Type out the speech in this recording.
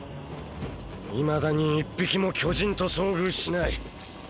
いまだに一匹も巨人と遭遇しない。